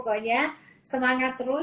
mudah mudahan kita bisa ketemu nanti sampai jumpa